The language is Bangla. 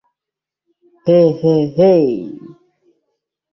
হেই, হেই, হেই!